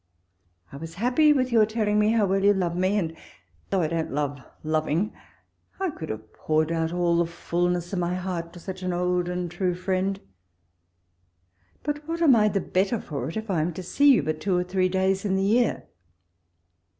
I was happy with your telling me how well you love rae, and though I don't love loving, I could have poured out all the fulness of my heart to such an old and true friend ; but what am I the better for it, if I am to see you but two or three days in the year?